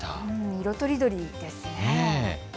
色とりどりですね。